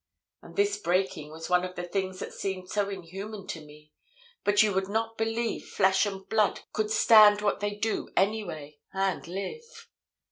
And this breaking was one of the things that seemed so inhuman to me, but you would not believe flesh and blood could stand what they do anyway, and live.